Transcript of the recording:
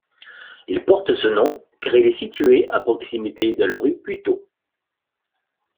Il porte ce nom car il est situé à proximité de la rue Puteaux.